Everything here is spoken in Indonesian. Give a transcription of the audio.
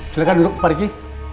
silahkan dulu pak diki